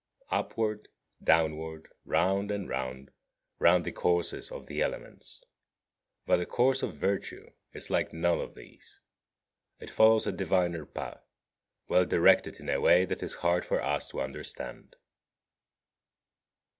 17. Upward, downward, round and round run the courses of the elements. But the course of virtue is like none of these; it follows a diviner path, well directed in a way that is hard for us to understand.